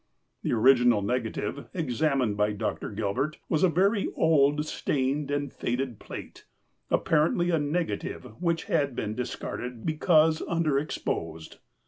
The original negative, examined by Dr. Gilbert, was a very old, stained, and faded plate, apparently a negative which had been discarded because underexposed.